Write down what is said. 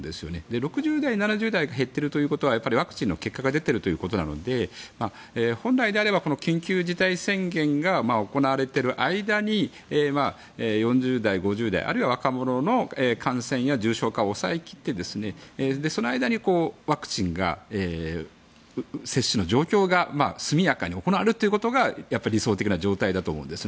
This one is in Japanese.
６０代、７０代が減っているということはワクチンの結果が出ているということなので本来であればこの緊急事態宣言が行われている間に４０代、５０代あるいは若者の感染や重症化を抑えきって、その間にワクチンが接種の状況が速やかに行われることが理想的な状態だと思うんですね。